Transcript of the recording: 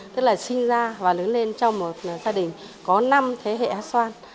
tức là sinh ra và lớn lên trong một gia đình có năm thế hệ hát xoan